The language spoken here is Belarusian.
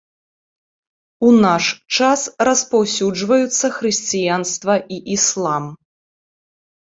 У наш час распаўсюджваюцца хрысціянства і іслам.